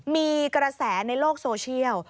มีกระแสในโลกโซเชียล